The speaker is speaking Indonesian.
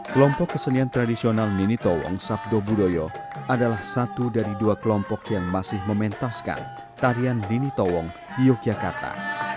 kelompok kesenian tradisional nini tawong sabdo budoyo adalah satu dari dua kelompok yang masih mementaskan tarian nini tawong di yogyakarta